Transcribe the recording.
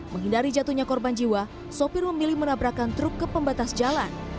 menghindari jatuhnya korban jiwa sopir memilih menabrakan truk ke pembatas jalan